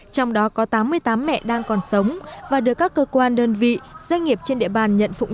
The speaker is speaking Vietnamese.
trong đó có tám mươi tám mẹ đang còn sống và được các cơ quan đơn vị doanh nghiệp trên địa bàn nhận phụng